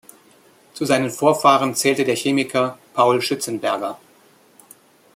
Zu seinen Vorfahren zählte der Chemiker Paul Schützenberger.